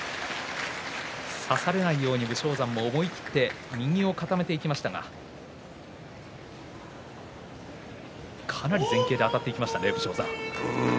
差されないように武将山も思い切って右を固めていきましたがかなり前傾であたっていきましたね、武将山。